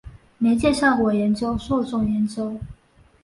媒介效果研究受众研究